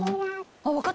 あっ分かった。